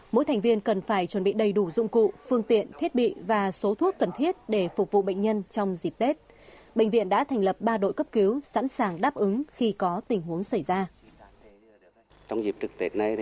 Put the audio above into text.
mỗi thành viên cần phải chuẩn bị đầy đủ dụng cụ phương tiện thiết bị và số thuốc cần thiết để phục vụ bệnh nhân trong dịp tết